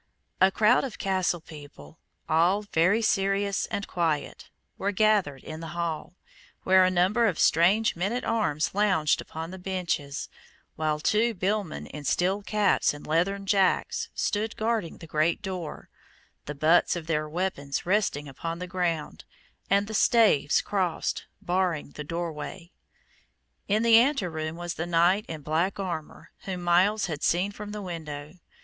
A crowd of castle people, all very serious and quiet, were gathered in the hall, where a number of strange men at arms lounged upon the benches, while two billmen in steel caps and leathern jacks stood guarding the great door, the butts of their weapons resting upon the ground, and the staves crossed, barring the door way. In the anteroom was the knight in black armor whom Myles had seen from the window.